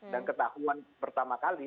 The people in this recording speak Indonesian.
dan ketahuan pertama kali